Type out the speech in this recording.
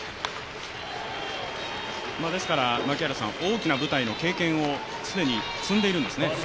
ですから大きな舞台の経験を既に積んでいるんですね。